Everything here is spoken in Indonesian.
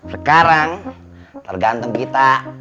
sekarang tergantung kita